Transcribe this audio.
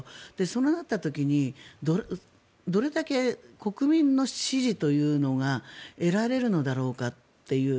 そうなった時にどれだけ国民の支持というのが得られるのだろうかという。